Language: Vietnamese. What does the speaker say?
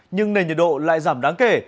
nhưng nền nhiệt độ lại giảm đáng kể